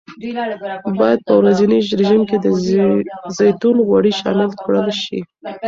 باید په ورځني رژیم کې د زیتون غوړي شامل کړل شي.